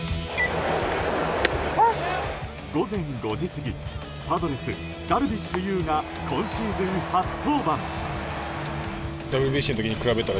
午前５時過ぎ、パドレスダルビッシュ有が今シーズン初登板。